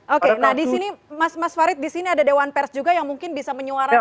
oke nah di sini mas farid di sini ada dewan pers juga yang mungkin bisa menyuarakan